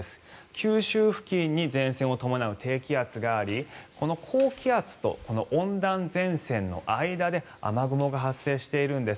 九州付近に前線を伴う低気圧がありこの高気圧と温暖前線の間で雨雲が発生しているんです。